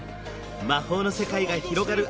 魔法の世界が広がる